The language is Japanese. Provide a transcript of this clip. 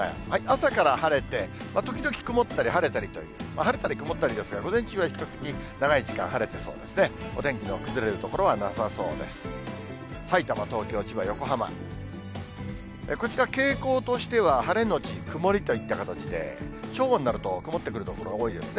朝から晴れて、時々曇ったり晴れたりという、晴れたり曇ったりですが、午前中は比較的長い時間、晴れてそうですね。